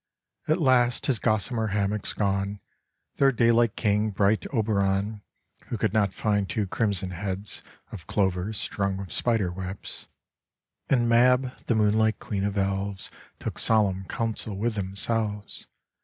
At last, his gossamer hammocks gone, Their daylight king, bright Oberon, (Who could not find two crimson heads Of clover strung with spider webs) And Mab, the moonlight queen of elves Took solemn counsel with themselves.